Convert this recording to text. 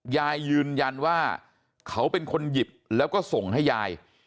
ยืนยันว่าเขาเป็นคนหยิบแล้วก็ส่งให้ยาย